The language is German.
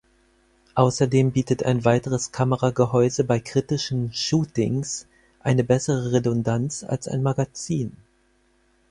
Außerdem bietet ein weiteres Kameragehäuse bei kritischen "Shootings" eine bessere Redundanz als ein Magazin.